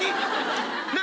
何？